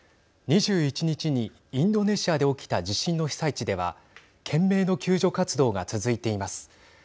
２１日にインドネシアで起きた地震の被災地では懸命の救助活動が続いています。